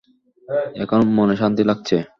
এখন মনে শান্তি লাগছে?